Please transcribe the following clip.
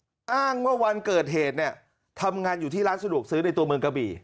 เขาอ้างว่าวันเกิดเหตุเนี่ยทำงานอยู่ที่ร้านสะดวกซื้อในตัวเมืองกะบี่